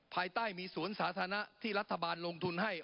ภายใต้มีสวนสาธารณะที่รัฐบาลลงทุนให้